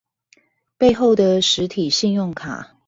背後的實體信用卡